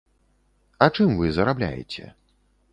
А чым вы зарабляеце?